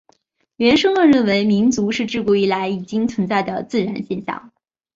原生论认定民族是至古以来已经存在的自然现象。